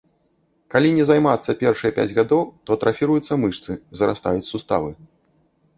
Калі не займацца першыя пяць гадоў, то атрафіруюцца мышцы, зарастаюць суставы.